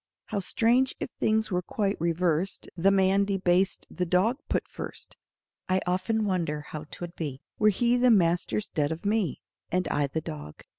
How strange if things were quite reversed The man debased, the dog put first. I often wonder how 'twould be Were he the master 'stead of me And I the dog.